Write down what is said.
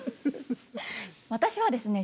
私はですね